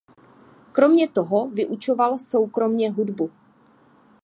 Kromě toho vyučoval soukromě hudbu.